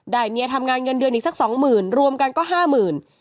ได้เมียทำงานเงินเดือนอีกสัก๒๐๐๐๐บาทรวมกันก็๕๐๐๐๐บาท